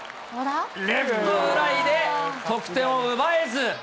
レフトフライで得点を奪えず。